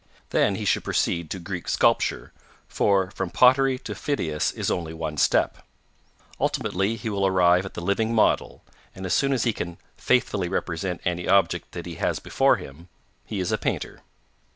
Then he should proceed to Greek sculpture, for from pottery to Phidias is only one step. Ultimately he will arrive at the living model, and as soon as he can 'faithfully represent any object that he has before him' he is a painter.